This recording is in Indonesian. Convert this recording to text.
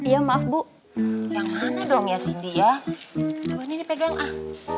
hai iya maaf bu yang mana dong ya cindy ya ini pegang ah